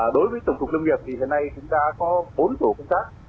đối với tổng cục lâm nghiệp thì hiện nay chúng ta có bốn tổ công tác